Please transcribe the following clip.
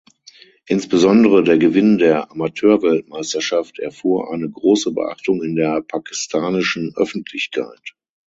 Insbesondere der Gewinn der Amateurweltmeisterschaft erfuhr eine große Beachtung in der pakistanischen Öffentlichkeit.